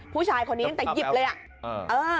ผู้ชายคนนี้ตั้งแต่หยิบเลยอ่ะ